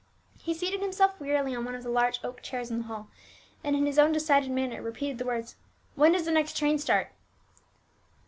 He seated himself wearily on one of the large oak chairs in the hall, and in his own decided manner repeated the words, "When does the next train start?"